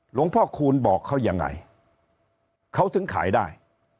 พ่อคูณบอกเขายังไงเขาถึงขายได้